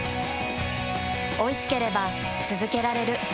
おいしければつづけられる。